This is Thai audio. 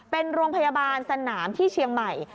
เป็นโรงพยาบาลสนามที่เชียงใหม่